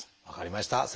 分かりました。